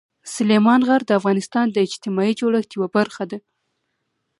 سلیمان غر د افغانستان د اجتماعي جوړښت یوه برخه ده.